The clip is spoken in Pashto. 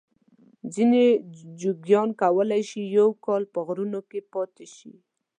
ځینې جوګیان کولای شي یو کال په غارونو کې پاته شي.